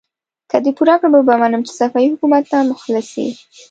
که دې پوره کړ، وبه منم چې صفوي حکومت ته مخلص يې!